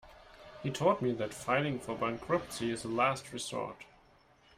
He told me that filing for bankruptcy is the last resort.